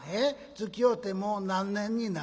つきおうてもう何年になる？